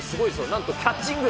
なんとキャッチング。